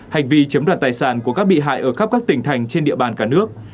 hành vi chiếm đoạt tài sản của các bị hại ở khắp các tỉnh thành trên địa bàn cả nước